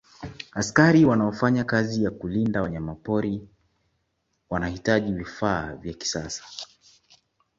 askari wanaofanya kazi ya kulinda wanyamapori wanahitaji vifaa vya kisasa